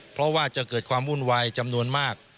เพราะว่าจะเกิดความวุ่นวายจำนวนมาก